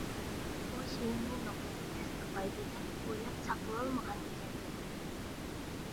بۇ شېئىرنى نوقۇل تەستىقلايدۇ دەپ ئويلاپ ساقلىۋالمىغان ئىكەنمەن.